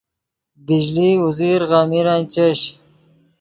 بجلی اوزیر غمیرن چش